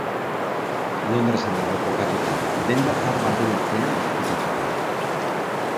Londresen dago kokatuta denda zahar baten atzean ezkutatuta.